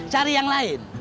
cari yang lain